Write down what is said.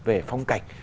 về phong cảnh